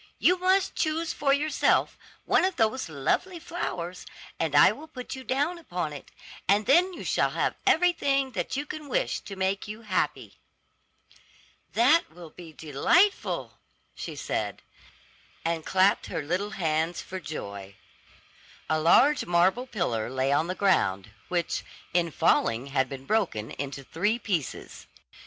You must choose for yourself one of those lovely flowers, and I will put you down upon it, and then you shall have everything that you can wish to make you happy." "That will be delightful," she said, and clapped her little hands for joy. A large marble pillar lay on the ground, which, in falling, had been broken into three pieces.